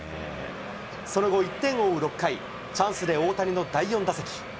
その後、１点を追う６回、チャンスで大谷の第４打席。